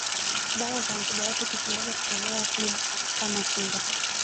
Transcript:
Dawa za antibiotiki zinaweza kutolewa pia kama kinga